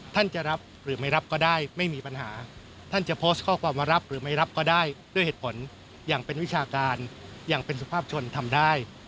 ท่านจะรับหรือไม่รับก็ได้ไม่มีปัญหาท่านจะโพสต์ข้อความว่ารับหรือไม่รับก็ได้ด้วยเหตุผลอย่างเป็นวิชาการอย่างเป็นสุภาพชนทำได้